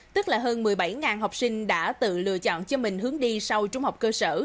tức là hơn một mươi bảy học sinh đã tự lựa chọn cho mình hướng đi sau trung học cơ sở